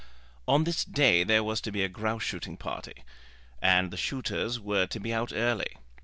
On this day there was to be a grouse shooting party, and the shooters were to be out early.